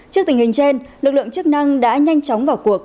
trước tình hình trên lực lượng chức năng đã nhanh chóng vào cuộc